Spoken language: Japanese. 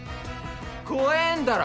怖えんだろ